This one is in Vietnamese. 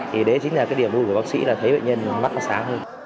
thì đấy chính là cái điểm vui của bác sĩ là thấy bệnh nhân mắt sáng hơn